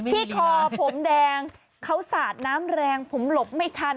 คอผมแดงเขาสาดน้ำแรงผมหลบไม่ทัน